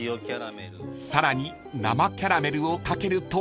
［さらに生キャラメルを掛けると］